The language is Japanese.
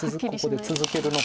ここで続けるのか。